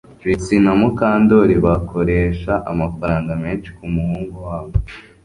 Trix na Mukandoli bakoresha amafaranga menshi kumuhungu wabo